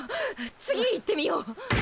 次行ってみよう。